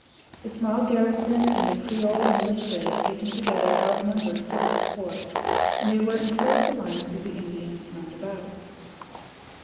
The small garrison and the Creole militia taken together outnumbered Clark's force, and they were in close alliance with the Indians roundabout.